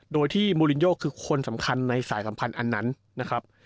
โดยที่มูลินโยคือคนสำคัญในสายสัมพันธ์อันนั้นนะครับ